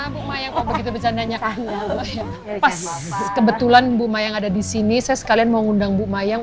bu mayang ke sini saya sekalian mau undang bu mayang ke sini saya sekalian mau undang bu mayang